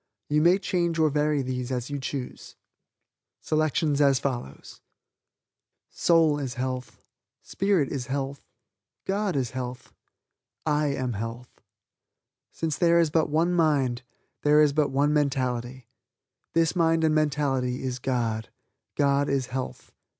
You may change or vary these as you choose: Soul is health, spirit is health, God is health, I am health. Since there is but one mind, there is but one mentality. This mind and mentality is God; God is health.